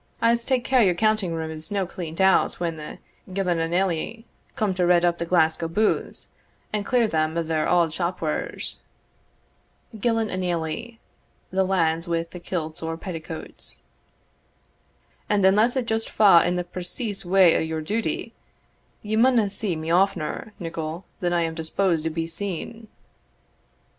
I'se take care your counting room is no cleaned out when the Gillon a naillie* come to redd up the Glasgow buiths, and clear them o' their auld shop wares. * The lads with the kilts or petticoats. And, unless it just fa' in the preceese way o' your duty, ye maunna see me oftener, Nicol, than I am disposed to be seen."